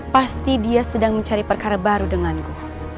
pasti dia sedang mencari perkara baru denganku